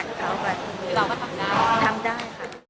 ชุมมือเราก็ทำได้